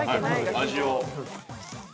◆味を。